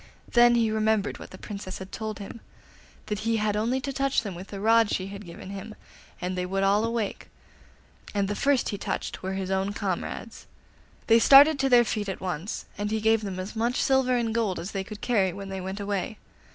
Then he remembered what the Princess had told him that he had only to touch them with the rod she had given him and they would all awake; and the first he touched were his own comrades. They started to their feet at once, and he gave them as much silver and gold as they could carry when they went away.